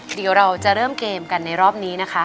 เดี๋ยวเราจะเริ่มเกมกันในรอบนี้นะคะ